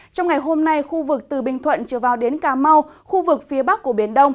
trong ngày hôm nay khu vực từ bình thuận trở vào đến cà mau khu vực phía bắc của biển đông